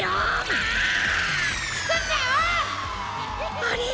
あれ？